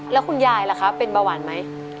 แล้วคุณยายล่ะคะเป็นเบาหวานไหม